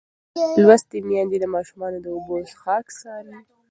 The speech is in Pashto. لوستې میندې د ماشومانو د اوبو څښاک څاري.